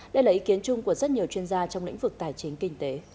đây là ý kiến chung của rất nhiều chuyên gia trong lĩnh vực tài chính kinh tế